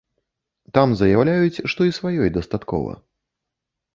Там заяўляюць, што і сваёй дастаткова.